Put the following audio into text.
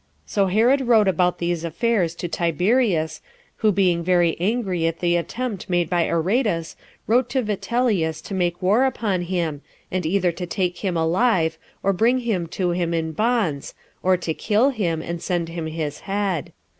So Herod wrote about these affairs to Tiberius, who being very angry at the attempt made by Aretas, wrote to Vitellius to make war upon him, and either to take him alive, and bring him to him in bonds, or to kill him, and send him his head.